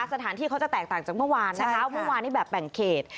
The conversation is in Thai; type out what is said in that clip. สถานที่เขาจะแตกต่างจากเมื่อวานนะคะเมื่อวานนี้แบบแบ่งเขต